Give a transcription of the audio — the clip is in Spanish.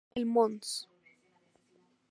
El Mons.